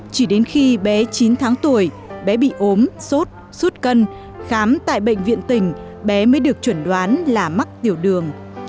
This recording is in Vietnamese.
chỉ đến khi bé chín tháng tuổi bé bị ốm sốt xuất cân khám tại bệnh viện tỉnh bé mới được chuẩn đoán là mắc tiểu đường